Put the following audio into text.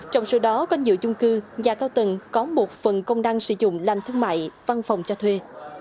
trong sự đó quanh dự chung cư nhà cao tần có một phần công đăng sử dụng làm thương mại văn phòng cho thuê